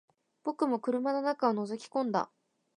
僕も車の中を覗き込んだ